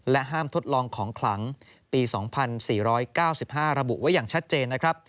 และห้ามทดลองของคลังปี๒๔๙๕ระบุไว้อย่างชัดเจน